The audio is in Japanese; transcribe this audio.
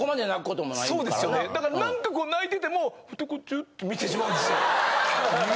だから何かこう泣いててもふとチラッと見てしまうんですよ。